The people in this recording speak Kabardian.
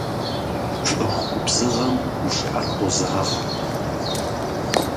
ЦӀыху губзыгъэм гушыӀэр хозагъэ.